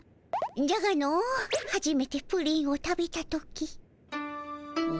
じゃがのはじめてプリンを食べた時。